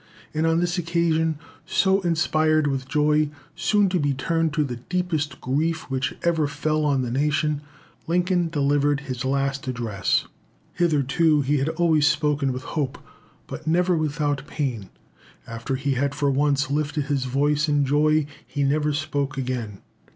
And on this occasion, so inspired with joy soon to be turned to the deepest grief which ever fell on the nation, Lincoln delivered his last address. Hitherto he had always spoken with hope, but never without pain; after he had for once lifted his voice in joy he never spoke again.